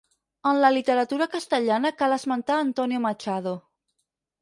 En la literatura castellana cal esmentar Antonio Machado.